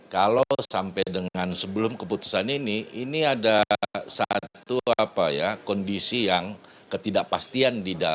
kalau sampai dengan sebelum keputusan ini ini ada satu kondisi yang ketidakpastian di dalam